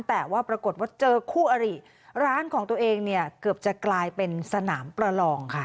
แต่ว่าปรากฏว่าเจอคู่อริร้านของตัวเองเนี่ยเกือบจะกลายเป็นสนามประลองค่ะ